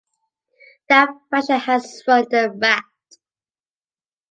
That faction has run them ragged.